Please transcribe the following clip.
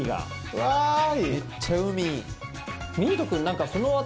うわ怖い。